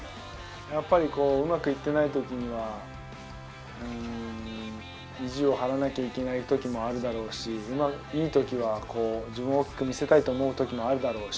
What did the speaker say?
やっぱりこううまくいってない時には意地を張らなきゃいけない時もあるだろうしいい時はこう自分を大きく見せたいと思う時もあるだろうし。